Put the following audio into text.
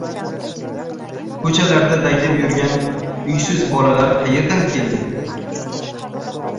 Koʻchalarda daydib yurgan uysiz bolalar qayerdan keldi?